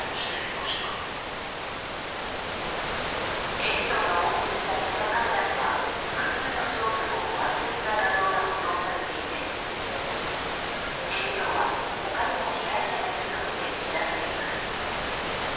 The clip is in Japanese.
警視庁が押収したビデオカメラには複数の少女のわいせつな画像が保存されていて警視庁は他にも被害者がいるとみて調べています。